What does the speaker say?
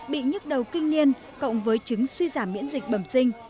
bị nhức đầu kinh niên cộng với chứng suy giảm miễn dịch bẩm sinh